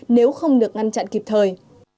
nếu không được ngăn chặn kịp thời